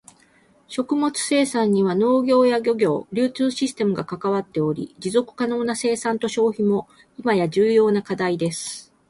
食物生産には農業や漁業、流通システムが関わっており、持続可能な生産と消費も今や重要な課題です。